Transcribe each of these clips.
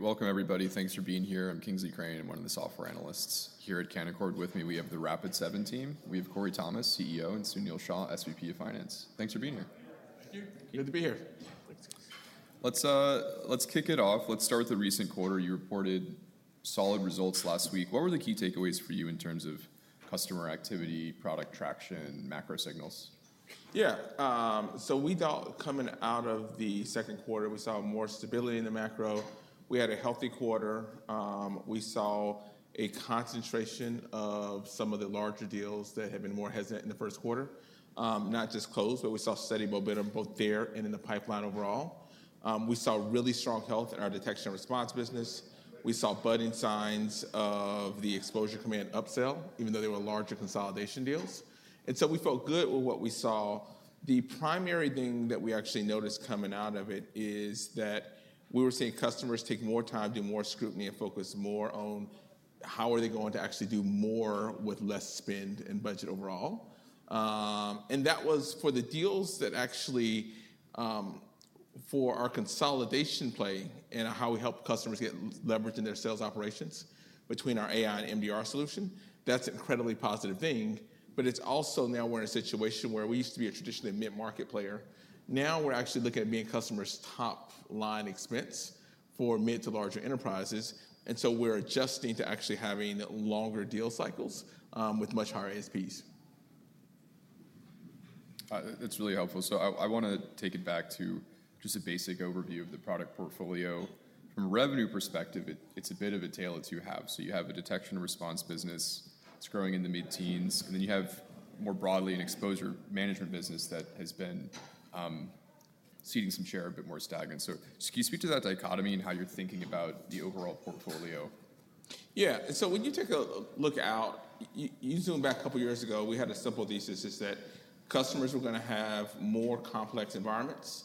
Welcome, everybody. Thanks for being here. I'm Kingsley Crane, and one of the Software Analysts here at Canaccord. With me, we have the Rapid7 team. We have Corey Thomas, CEO, and Sunil Shah, SVP of Finance. Thanks for being here. Thank you. Good to be here. Let's kick it off. Let's start with the recent quarter. You reported solid results last week. What were the key takeaways for you in terms of customer activity, product traction, macro signals? Yeah, so we thought coming out of the second quarter, we saw more stability in the macro. We had a healthy quarter. We saw a concentration of some of the larger deals that have been more hesitant in the first quarter, not just close, but we saw steady momentum both there and in the pipeline overall. We saw really strong health in our detection and response business. We saw budding signs of the exposure management upsell, even though there were larger consolidation deals. We felt good with what we saw. The primary thing that we actually noticed coming out of it is that we were seeing customers take more time, do more scrutiny, and focus more on how are they going to actually do more with less spend and budget overall. That was for the deals that actually, for our consolidation play and how we help customers get leverage in their sales operations between our AI and MDR solution. That's an incredibly positive thing. It's also now we're in a situation where we used to be a traditionally mid-market player. Now we're actually looking at being customers' top line expense for mid to larger enterprises. We're adjusting to actually having longer deal cycles, with much higher average selling prices. That's really helpful. I want to take it back to just a basic overview of the product portfolio. From a revenue perspective, it's a bit of a tail that you have. You have a detection and response business that's growing in the mid-teens, and then you have more broadly an Exposure Management business that has been seeding some share, a bit more stagnant. Can you speak to that dichotomy and how you're thinking about the overall portfolio? Yeah, so when you take a look out, you zoom back a couple of years ago, we had a simple thesis, is that customers were going to have more complex environments.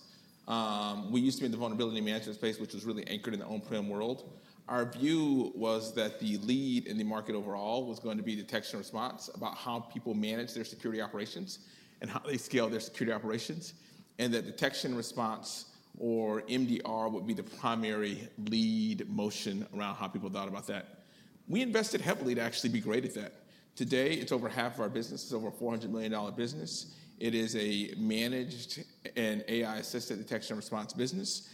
We used to be in the vulnerability management space, which was really anchored in the on-prem world. Our view was that the lead in the market overall was going to be detection and response about how people manage their security operations and how they scale their security operations. That detection and response or MDR would be the primary lead motion around how people thought about that. We invested heavily to actually be great at that. Today, it's over half of our business. It's over a $400 million business. It is a managed and AI-assisted detection and response business.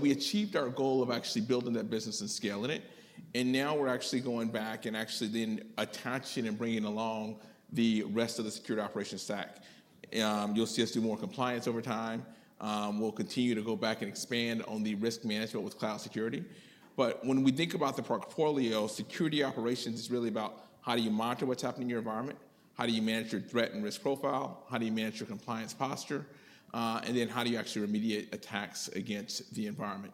We achieved our goal of actually building that business and scaling it. Now we're actually going back and actually then attaching and bringing along the rest of the security operations stack. You'll see us do more compliance over time. We'll continue to go back and expand on the risk management with cloud security. When we think about the portfolio, security operations is really about how do you monitor what's happening in your environment? How do you manage your threat and risk profile? How do you manage your compliance posture? Then how do you actually remediate attacks against the environment?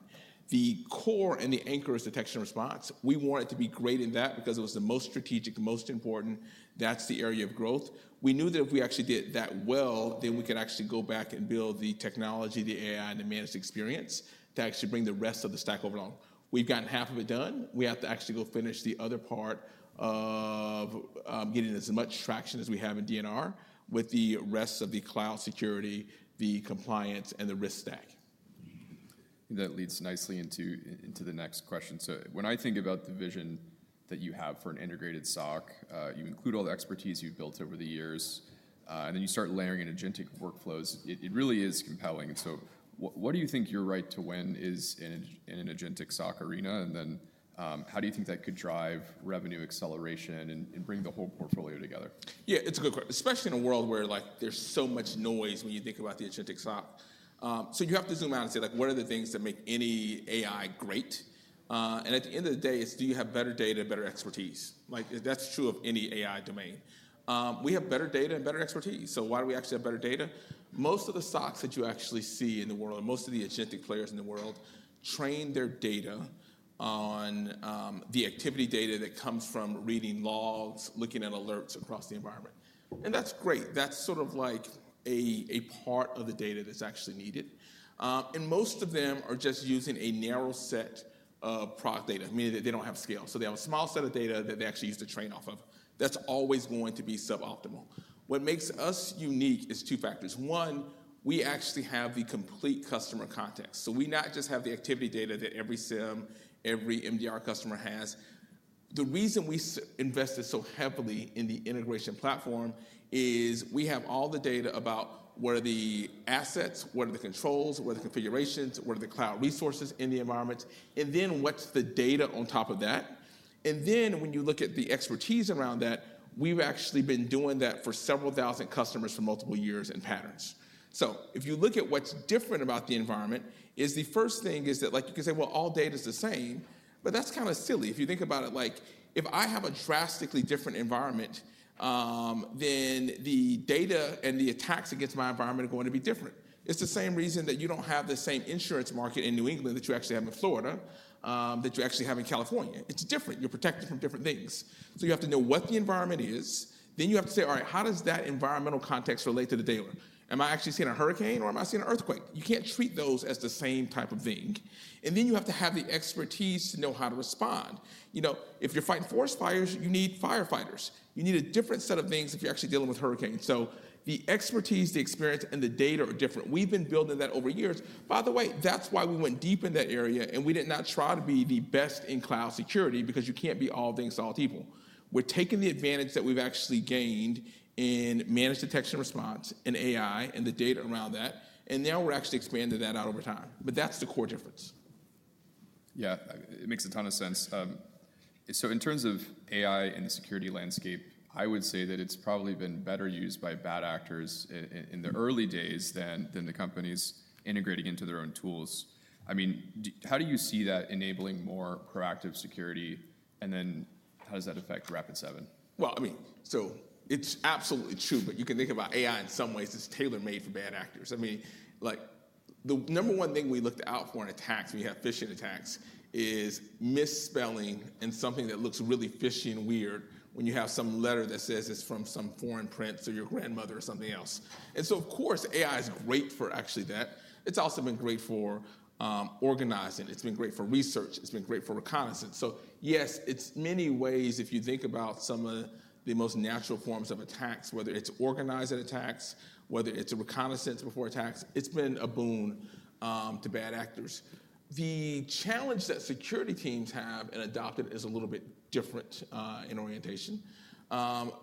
The core and the anchor is detection and response. We wanted to be great in that because it was the most strategic, the most important. That's the area of growth. We knew that if we actually did that well, then we could actually go back and build the technology, the AI, and the managed experience to actually bring the rest of the stack overall. We've gotten half of it done. We have to actually go finish the other part of getting as much traction as we have in detection and response with the rest of the cloud security, the compliance, and the risk stack. That leads nicely into the next question. When I think about the vision that you have for an integrated SOC, you include all the expertise you've built over the years, and you start layering in agentic workflows. It really is compelling. What do you think your right to win is in an agentic SOC arena? How do you think that could drive revenue acceleration and bring the whole portfolio together? Yeah, it's a good question, especially in a world where there's so much noise when you think about the agentic SOC. You have to zoom out and say, like, what are the things that make any AI great? At the end of the day, it's do you have better data, better expertise? Like, that's true of any AI domain. We have better data and better expertise. Why do we actually have better data? Most of the SOCs that you actually see in the world, and most of the agentic players in the world, train their data on the activity data that comes from reading logs, looking at alerts across the environment. That's great. That's sort of like a part of the data that's actually needed. Most of them are just using a narrow set of product data, meaning that they don't have scale. They have a small set of data that they actually use to train off of. That's always going to be suboptimal. What makes us unique is two factors. One, we actually have the complete customer context. We not just have the activity data that every SIEM, every MDR customer has. The reason we invested so heavily in the integration platform is we have all the data about what are the assets, what are the controls, what are the configurations, what are the cloud resources in the environments, and then what's the data on top of that. When you look at the expertise around that, we've actually been doing that for several thousand customers for multiple years and patterns. If you look at what's different about the environment, the first thing is that, like, you can say, well, all data is the same, but that's kind of silly. If you think about it, like, if I have a drastically different environment, then the data and the attacks against my environment are going to be different. It's the same reason that you don't have the same insurance market in New England that you actually have in Florida, that you actually have in California. It's different. You're protected from different things. You have to know what the environment is. You have to say, all right, how does that environmental context relate to the data? Am I actually seeing a hurricane or am I seeing an earthquake? You can't treat those as the same type of thing. You have to have the expertise to know how to respond. You know, if you're fighting forest fires, you need firefighters. You need a different set of things if you're actually dealing with hurricanes. The expertise, the experience, and the data are different. We've been building that over years. By the way, that's why we went deep in that area, and we did not try to be the best in cloud security because you can't be all things to all people. We're taking the advantage that we've actually gained in managed detection and response and AI and the data around that. We're actually expanding that out over time. That's the core difference. It makes a ton of sense. In terms of AI in the security landscape, I would say that it's probably been better used by bad actors in the early days than the companies integrating into their own tools. I mean, how do you see that enabling more proactive security? How does that affect Rapid7? It is absolutely true, but you can think about AI in some ways as tailor-made for bad actors. The number one thing we looked out for in attacks, when you have phishing attacks, is misspelling and something that looks really fishy and weird when you have some letter that says it's from some foreign prince to your grandmother or something else. Of course, AI is great for actually that. It's also been great for organizing. It's been great for research. It's been great for reconnaissance. Yes, in many ways, if you think about some of the most natural forms of attacks, whether it's organized attacks or reconnaissance before attacks, it's been a boon to bad actors. The challenge that security teams have and adopted is a little bit different in orientation,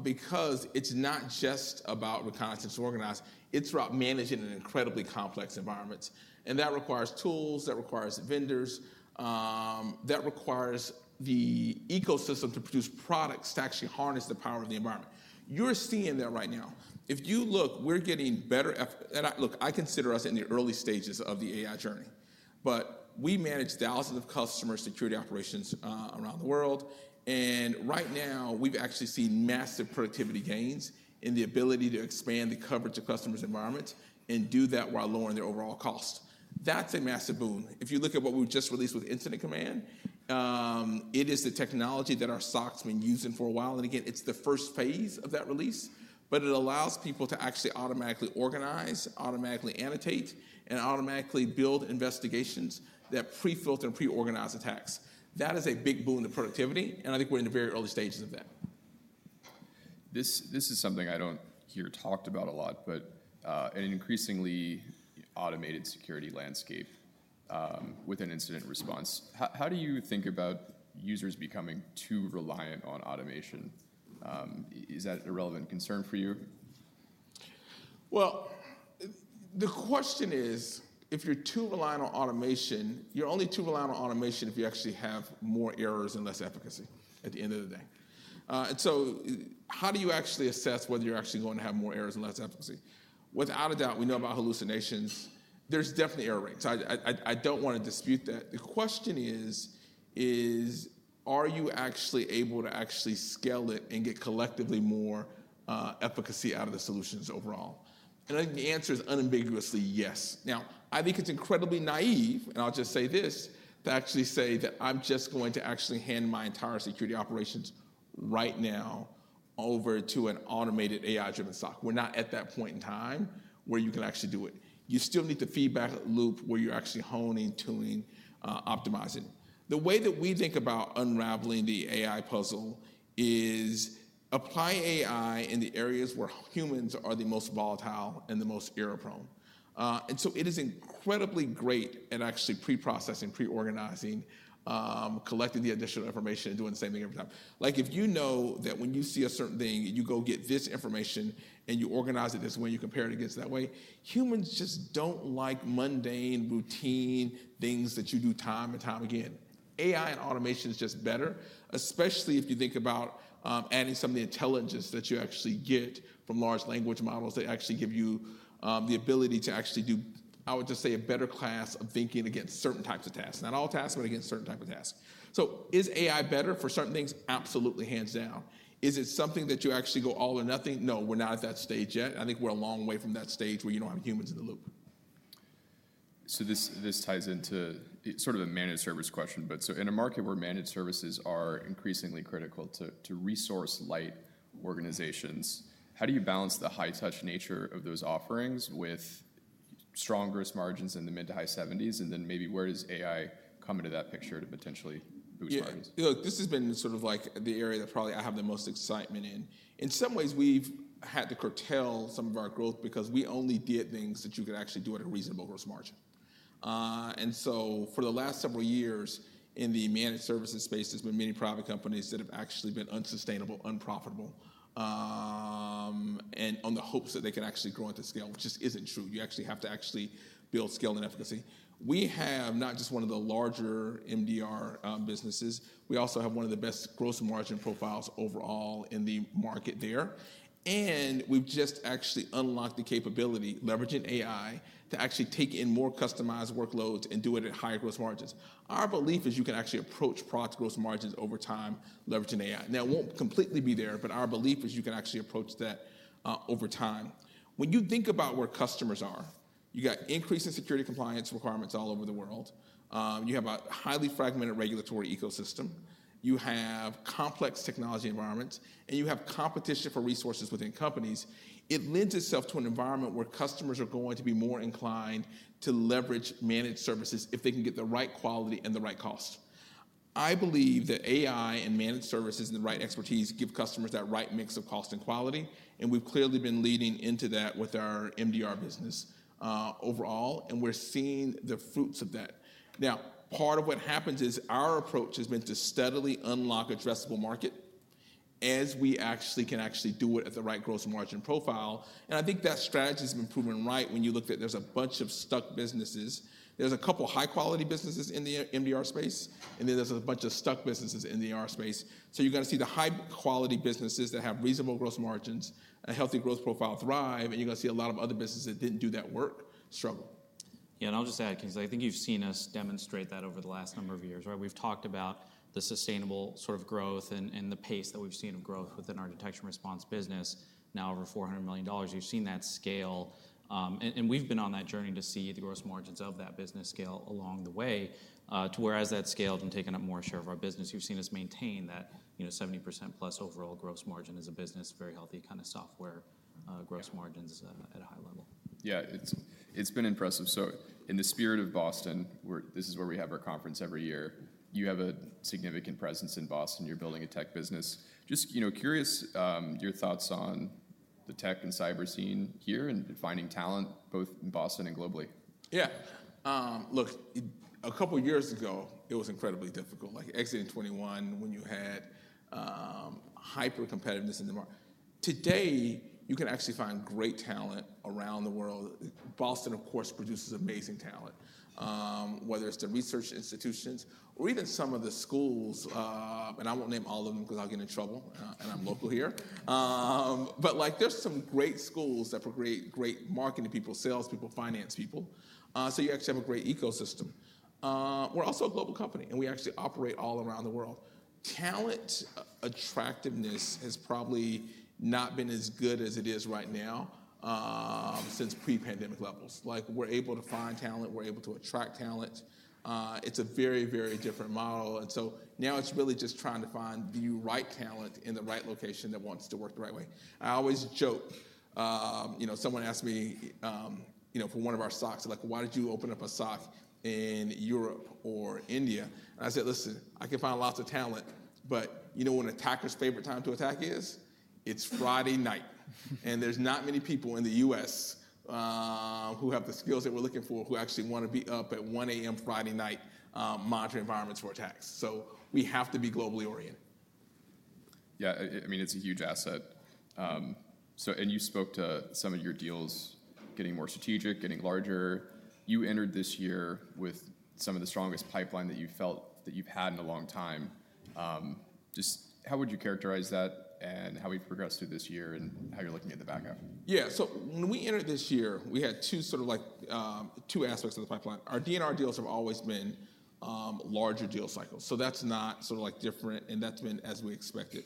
because it's not just about reconnaissance and organizing. It's about managing an incredibly complex environment. That requires tools, that requires vendors, that requires the ecosystem to produce products to actually harness the power of the environment. You're seeing that right now. If you look, we're getting better at it. I consider us in the early stages of the AI journey. We manage thousands of customer security operations around the world. Right now, we've actually seen massive productivity gains in the ability to expand the coverage of customers' environments and do that while lowering their overall cost. That's a massive boon. If you look at what we've just released with Incident Command, it is the technology that our SOC's been using for a while. It's the first phase of that release. It allows people to actually automatically organize, automatically annotate, and automatically build investigations that pre-filter and pre-organize attacks. That is a big boon to productivity. I think we're in the very early stages of that. This is something I don't hear talked about a lot, but in an increasingly automated security landscape, with incident response, how do you think about users becoming too reliant on automation? Is that a relevant concern for you? The question is, if you're too reliant on automation, you're only too reliant on automation if you actually have more errors and less efficacy at the end of the day. How do you actually assess whether you're actually going to have more errors and less efficacy? Without a doubt, we know about hallucinations. There's definitely error rates. I don't want to dispute that. The question is, are you actually able to scale it and get collectively more efficacy out of the solutions overall? I think the answer is unambiguously yes. I think it's incredibly naive, and I'll just say this, to actually say that I'm just going to actually hand my entire security operations right now over to an automated AI-driven SOC. We're not at that point in time where you can actually do it. You still need the feedback loop where you're actually honing, tuning, optimizing. The way that we think about unraveling the AI puzzle is applying AI in the areas where humans are the most volatile and the most error-prone. It is incredibly great at actually pre-processing, pre-organizing, collecting the additional information, and doing the same thing every time. If you know that when you see a certain thing, you go get this information and you organize it this way and you compare it against that way, humans just don't like mundane, routine things that you do time and time again. AI and automation is just better, especially if you think about adding some of the intelligence that you actually get from large language models that actually give you the ability to actually do, I would just say, a better class of thinking against certain types of tasks. Not all tasks, but against certain types of tasks. Is AI better for certain things? Absolutely, hands down. Is it something that you actually go all or nothing? No, we're not at that stage yet. I think we're a long way from that stage where you don't have humans in the loop. This ties into sort of a managed service question. In a market where managed services are increasingly critical to resource-light organizations, how do you balance the high-touch nature of those offerings with strong gross margins in the mid to high 70%? Maybe where does AI come into that picture to potentially boost margins? Yeah, look, this has been sort of like the area that probably I have the most excitement in. In some ways, we've had to curtail some of our growth because we only did things that you could actually do at a reasonable gross margin. For the last several years in the managed services space, there's been many private companies that have actually been unsustainable, unprofitable, on the hopes that they could actually grow into scale, which just isn't true. You actually have to build scale and efficacy. We have not just one of the larger MDR businesses, we also have one of the best gross margin profiles overall in the market there. We've just unlocked the capability, leveraging AI, to actually take in more customized workloads and do it at higher gross margins. Our belief is you can actually approach product's gross margins over time, leveraging AI. Now, it won't completely be there, but our belief is you can actually approach that over time. When you think about where customers are, you've got increasing security compliance requirements all over the world. You have a highly fragmented regulatory ecosystem. You have complex technology environments. You have competition for resources within companies. It lends itself to an environment where customers are going to be more inclined to leverage managed services if they can get the right quality and the right cost. I believe that AI and managed services and the right expertise give customers that right mix of cost and quality. We've clearly been leading into that with our MDR business overall, and we're seeing the fruits of that. Part of what happens is our approach has been to steadily unlock addressable market as we actually can do it at the right gross margin profile. I think that strategy has been proven right when you look at there's a bunch of stuck businesses. There's a couple of high-quality businesses in the MDR space, and then there's a bunch of stuck businesses in the AR space. You're going to see the high-quality businesses that have reasonable gross margins, a healthy growth profile thrive. You're going to see a lot of other businesses that didn't do that work struggle. Yeah, and I'll just add, Kingsley, I think you've seen us demonstrate that over the last number of years, right? We've talked about the sustainable sort of growth and the pace that we've seen of growth within our detection and response business. Now over $400 million, you've seen that scale, and we've been on that journey to see the gross margins of that business scale along the way to where as that scaled and taken up more share of our business, you've seen us maintain that 70% plus overall gross margin as a business, very healthy kind of software gross margins at a high level. Yeah, it's been impressive. In the spirit of Boston, this is where we have our conference every year. You have a significant presence in Boston. You're building a tech business. Just curious your thoughts on the tech and cyber scene here and finding talent both in Boston and globally. Yeah, look, a couple of years ago, it was incredibly difficult, like exiting 2021 when you had hyper-competitiveness in the market. Today, you can actually find great talent around the world. Boston, of course, produces amazing talent, whether it's the research institutions or even some of the schools. I won't name all of them because I'll get in trouble. I'm local here. There are some great schools that create great marketing people, salespeople, finance people. You actually have a great ecosystem. We're also a global company, and we actually operate all around the world. Talent attractiveness has probably not been as good as it is right now since pre-pandemic levels. We're able to find talent. We're able to attract talent. It's a very, very different model. Now it's really just trying to find the right talent in the right location that wants to work the right way. I always joke, you know, someone asked me for one of our SOCs, like, why did you open up a SOC in Europe or India? I said, listen, I can find lots of talent. You know when an attacker's favorite time to attack is? It's Friday night. There's not many people in the U.S. who have the skills that we're looking for who actually want to be up at 1:00 A.M. Friday night monitoring environments for attacks. We have to be globally oriented. Yeah, I mean, it's a huge asset. You spoke to some of your deals getting more strategic, getting larger. You entered this year with some of the strongest pipeline that you felt that you've had in a long time. Just how would you characterize that and how we've progressed through this year and how you're looking at the backup? Yeah, so when we entered this year, we had two aspects of the pipeline. Our detection and response deals have always been larger deal cycles. That's not different, and that's been as we expected.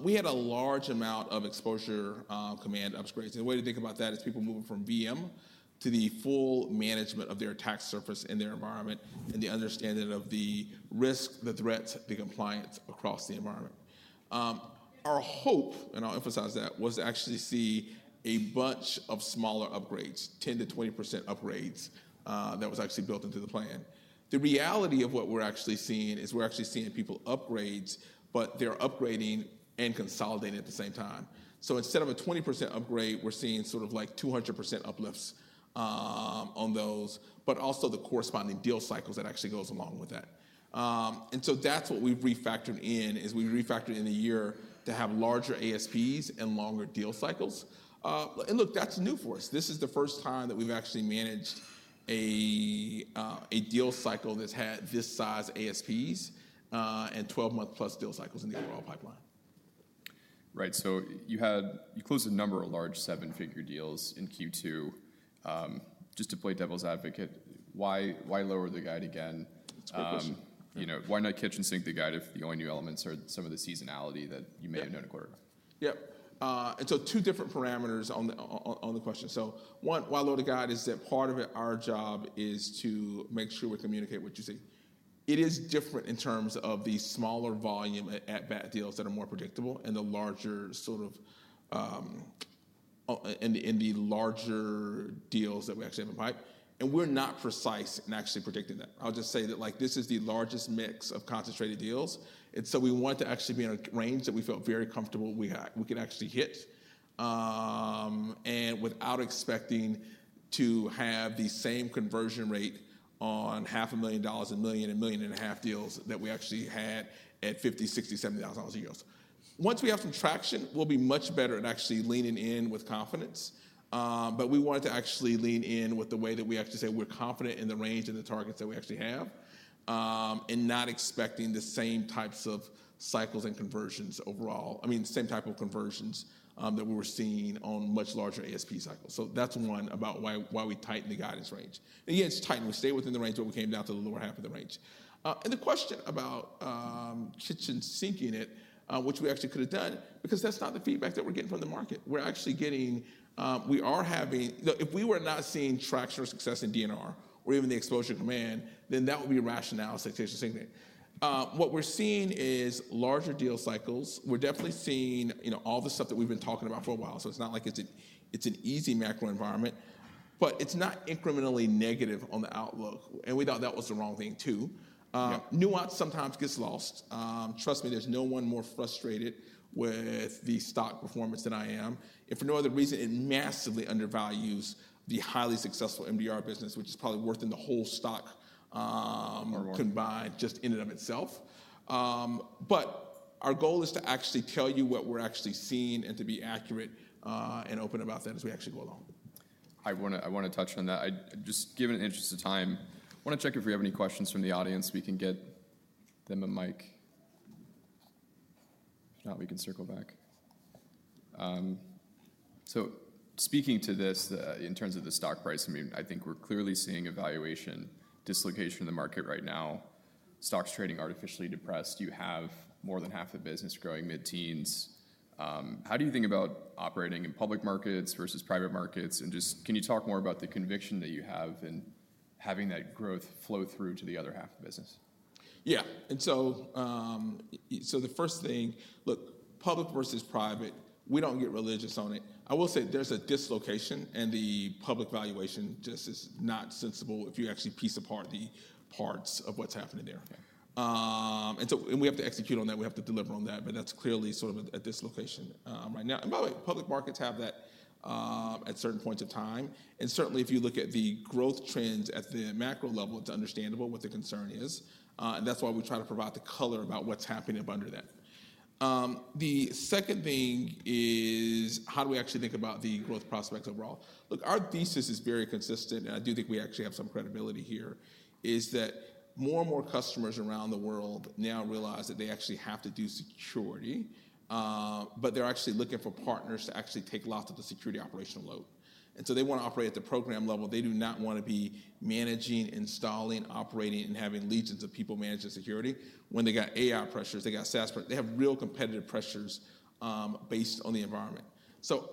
We had a large amount of Exposure Management upgrades. The way to think about that is people moving from VM to the full management of their attack surface in their environment and the understanding of the risk, the threats, the compliance across the environment. Our hope, and I'll emphasize that, was to actually see a bunch of smaller upgrades, 10% - 20% upgrades that were actually built into the plan. The reality of what we're actually seeing is we're seeing people upgrade, but they're upgrading and consolidating at the same time. Instead of a 20% upgrade, we're seeing 200% uplifts on those, but also the corresponding deal cycles that go along with that. That's what we've refactored in, we've refactored in a year to have larger average selling prices and longer deal cycles. Look, that's new for us. This is the first time that we've actually managed a deal cycle that's had this size average selling prices and 12-month plus deal cycles in the overall pipeline. Right, you closed a number of large seven-figure deals in Q2. Just to play devil's advocate, why lower the guide again? Why not kitchen sink the guide if the only new elements are some of the seasonality that you may have known a quarter ago? Yeah, and so two different parameters on the question. One, why lower the guide is that part of our job is to make sure we communicate what you see. It is different in terms of the smaller volume at-bat deals that are more predictable and the larger deals that we actually have in pipe. We're not precise in actually predicting that. I'll just say that this is the largest mix of concentrated deals, and we want to actually be in a range that we felt very comfortable we could actually hit without expecting to have the same conversion rate on $500,000 and $1 million and $1.5 million deals that we actually had at $50,000, $60,000, $70,000 deals. Once we have some traction, we'll be much better at actually leaning in with confidence. We wanted to actually lean in with the way that we actually say we're confident in the range and the targets that we actually have and not expecting the same types of cycles and conversions overall. I mean, the same type of conversions that we were seeing on much larger average selling price cycles. That's one about why we tightened the guidance range. Yes, tighten. We stayed within the range when we came down to the lower half of the range. The question about kitchen sinking it, which we actually could have done, that's not the feedback that we're getting from the market. We're actually getting, we are having, if we were not seeing traction or success in detection and response or even the exposure management, then that would be rationale, say kitchen sinking it. What we're seeing is larger deal cycles. We're definitely seeing all the stuff that we've been talking about for a while. It's not like it's an easy macro environment. It's not incrementally negative on the outlook. We thought that was the wrong thing too. Nuance sometimes gets lost. Trust me, there's no one more frustrated with the stock performance than I am. For no other reason, it massively undervalues the highly successful MDR business, which is probably worth in the whole stock combined just in and of itself. Our goal is to actually tell you what we're actually seeing and to be accurate and open about that as we actually go along. I want to touch on that. Given the interest of time, I want to check if we have any questions from the audience. We can get them a mic. No, we can circle back. Speaking to this in terms of the stock price, I think we're clearly seeing a public market valuation dislocation right now. Stock's trading artificially depressed. You have more than half the business growing mid-teens. How do you think about operating in public markets versus private markets? Can you talk more about the conviction that you have in having that growth flow through to the other half of the business? Yeah, the first thing, look, public versus private, we don't get religious on it. I will say there's a dislocation and the public valuation just is not sensible if you actually piece apart the parts of what's happening there. We have to execute on that. We have to deliver on that. That's clearly sort of a dislocation right now. By the way, public markets have that at certain points of time. Certainly, if you look at the growth trends at the macro level, it's understandable what the concern is. That's why we try to provide the color about what's happening up under that. The second thing is how do we actually think about the growth prospects overall? Look, our thesis is very consistent. I do think we actually have some credibility here is that more and more customers around the world now realize that they actually have to do security. They're actually looking for partners to actually take lots of the security operational load. They want to operate at the program level. They do not want to be managing, installing, operating, and having legions of people managing security. When they got AI pressures, they got SaaS pressures, they have real competitive pressures based on the environment.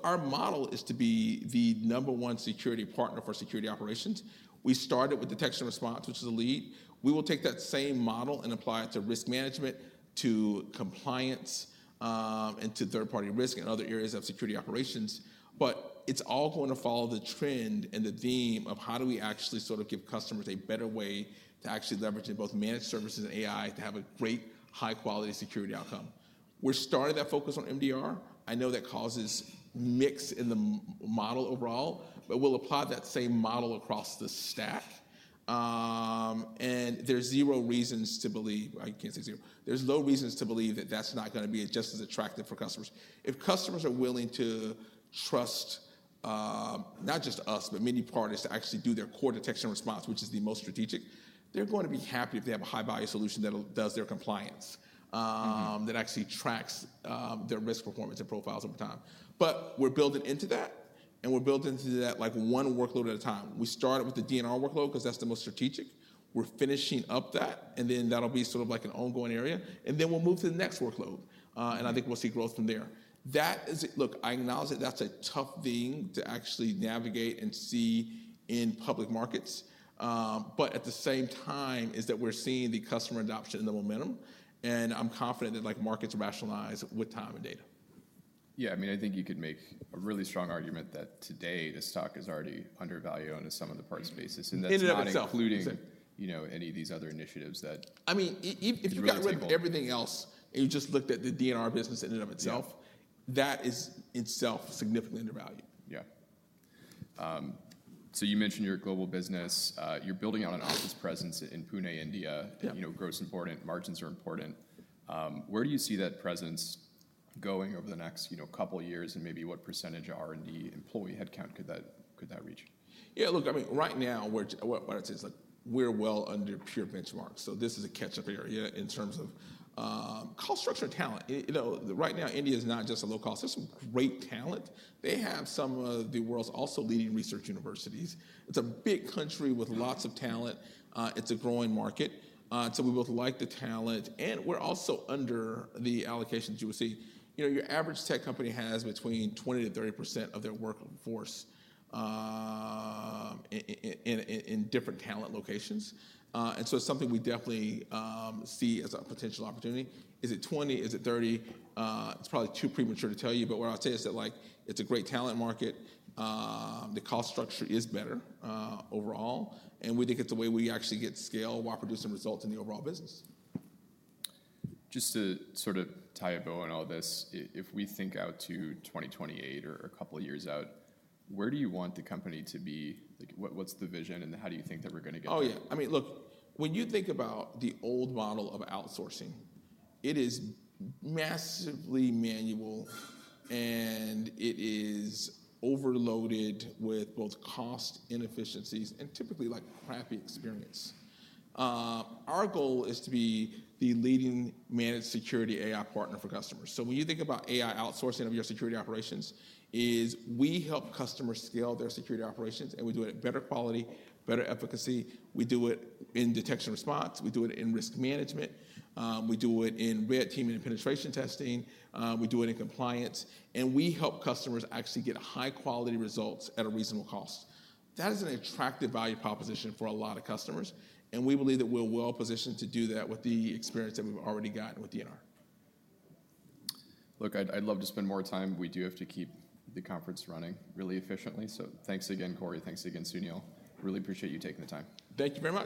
Our model is to be the number one security partner for security operations. We started with detection and response, which is the lead. We will take that same model and apply it to risk management, to compliance, and to third-party risk and other areas of security operations. It's all going to follow the trend and the theme of how do we actually sort of give customers a better way to actually leverage both managed services and AI to have a great high-quality security outcome. We're starting to focus on MDR. I know that causes mix in the model overall. We'll apply that same model across the stack. There are zero reasons to believe, I can't say zero, there are no reasons to believe that that's not going to be just as attractive for customers. If customers are willing to trust not just us, but many parties to actually do their core detection and response, which is the most strategic, they're going to be happy if they have a high-value solution that does their compliance, that actually tracks their risk performance and profiles over time. We're building into that. We're building into that like one workload at a time. We started with the detection and response workload because that's the most strategic. We're finishing up that. That'll be sort of like an ongoing area, and then we'll move to the next workload. I think we'll see growth from there. I acknowledge that that's a tough thing to actually navigate and see in public markets. At the same time, we're seeing the customer adoption and the momentum. I'm confident that markets rationalize with time and data. Yeah, I mean, I think you could make a really strong argument that today the stock is already undervalued on some of the parts basis. In and of itself. Including any of these other initiatives. I mean, if you've got everything else and you just looked at the MDR business in and of itself, that is itself significantly undervalued. Yeah. You mentioned your global business. You're building out an office presence in Pune, India. Growth's important. Margins are important. Where do you see that presence going over the next couple of years? Maybe what % of R&D employee headcount could that reach? Yeah, look, I mean, right now, what I'd say is we're well under peer benchmarks. This is a catch-up area in terms of cost structure and talent. Right now, India is not just a low-cost system. Great talent. They have some of the world's also leading research universities. It's a big country with lots of talent. It's a growing market. We both like the talent, and we're also under the allocations you will see. Your average tech company has between 20% - 30% of their workforce in different talent locations. It's something we definitely see as a potential opportunity. Is it 20%? Is it 30%? It's probably too premature to tell you. What I'll say is that it's a great talent market. The cost structure is better overall, and we think it's the way we actually get scale while producing results in the overall business. Just to sort of tie a bow on all this, if we think out to 2028 or a couple of years out, where do you want the company to be? What's the vision? How do you think that we're going to get there? Oh, yeah. I mean, look, when you think about the old model of outsourcing, it is massively manual, and it is overloaded with both cost inefficiencies and typically like crappy experience. Our goal is to be the leading managed security AI partner for customers. When you think about AI outsourcing of your security operations, we help customers scale their security operations, and we do it at better quality, better efficacy. We do it in detection and response, we do it in risk management, we do it in red teaming and penetration testing, we do it in compliance, and we help customers actually get high-quality results at a reasonable cost. That is an attractive value proposition for a lot of customers, and we believe that we're well positioned to do that with the experience that we've already gotten with detection and response. Look, I'd love to spend more time. We do have to keep the conference running really efficiently. Thanks again, Corey. Thanks again, Sunil. Really appreciate you taking the time. Thank you, man.